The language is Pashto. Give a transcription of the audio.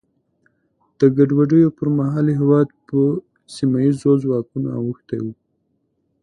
د ګډوډیو پر مهال هېواد په سیمه ییزو ځواکونو اوښتی و.